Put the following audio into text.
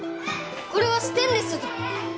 これはステンレスぞ。